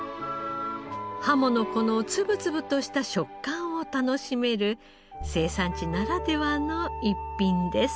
ハモの子のつぶつぶとした食感を楽しめる生産地ならではの一品です。